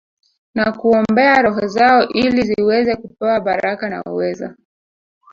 Na kuombea roho zao ili ziweze kupewa baraka na uwezo